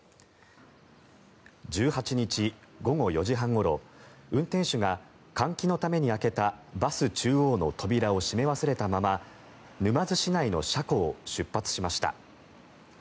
１８日午後４時半ごろ運転手が換気のために開けたバス中央の扉を閉め忘れたまま沼津市内の車庫を出発しました。